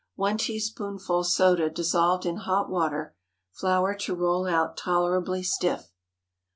1 teaspoonful soda dissolved in hot water. Flour to roll out tolerably stiff.